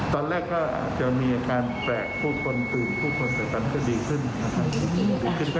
ตอนแรกก็จะมีอาการแปลกผู้คนหรือผู้คนแต่ตอนนี้ก็ดีขึ้น